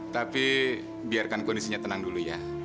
tapi biarkan kondisinya tenang dulu ya